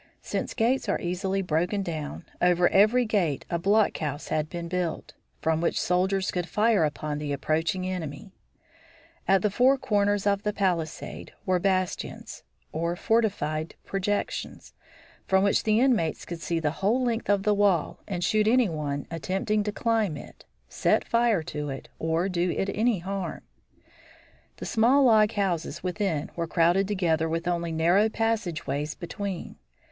Since gates are easily broken down, over every gate a block house had been built, from which soldiers could fire upon the approaching enemy. At the four corners of the palisade were bastions, or fortified projections, from which the inmates could see the whole length of the wall and shoot any one attempting to climb it, set fire to it, or do it any harm. The small log houses within were crowded together with only narrow passage ways between.